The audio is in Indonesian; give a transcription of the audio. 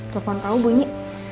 telepon tau bunyi